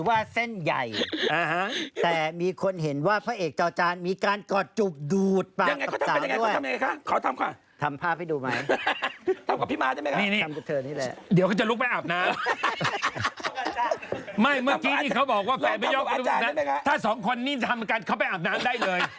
อาจารย์เข้าไปอาบน้ำได้เลย